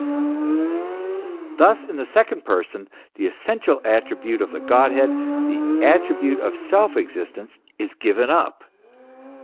Thus in the second Person the essential attribute of the Godhead, the attribute of self existence, is given up.